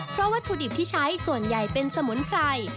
เพราะวัตถุดิบที่ใช้ส่วนใหญ่เป็นสมุนไพร